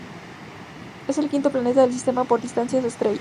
Es el quinto planeta del sistema, por distancia a su estrella.